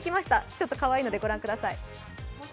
ちょっとかわいいのでご覧ください。